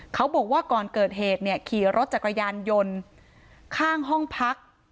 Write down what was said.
เขาบอกว่าก่อนเกิดเหตุเนี่ยขี่รถจักรยานยนต์ข้างห้องพัก